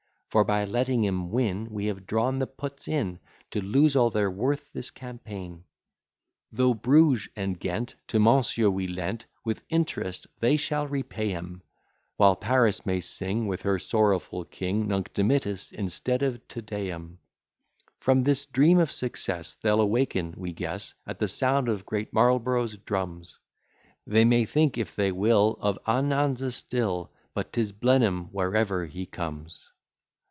For by letting 'em win, We have drawn the puts in, To lose all they're worth this campaign. Though Bruges and Ghent To Monsieur we lent, With interest they shall repay 'em; While Paris may sing, With her sorrowful king, Nunc dimittis instead of Te Deum. From this dream of success, They'll awaken, we guess, At the sound of great Marlborough's drums, They may think, if they will, Of Ahnanza still, But 'tis Blenheim wherever he comes.